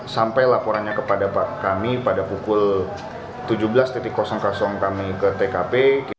sampai laporannya kepada kami pada pukul tujuh belas kami ke tkp